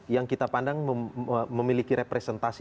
yang kita pandang memiliki representasi